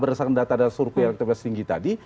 berdasarkan data dan suruh pilihan elektriks tinggi tadi